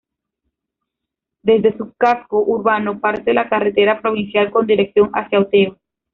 Desde su casco urbano parte la carretera provincial con dirección hacia Oteo.